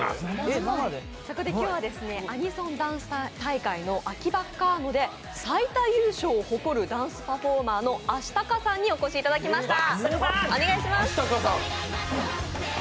そこで今日はアニソンダンス大会の「あきばっかの！」で最多優勝を誇るダンスパフォーマーのＡＳＨＩＴＫＡさんにお越しいただきました。